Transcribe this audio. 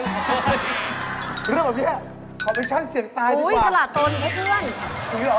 บอลหรือเปล่าเพี้ยขอมิชั่งเสี่ยงตายดีกว่าพี่บอลก็ลบหรือเปล่าอุ้ยตลาดตนให้เพื่อน